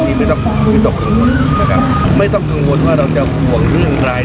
ข้อมูลในใดหวังว่านักท่องเชื่อจะเข้ามาเป็นเพื่อนหลาย